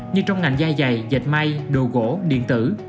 như trong ngành da dày dịch may đồ gỗ điện tử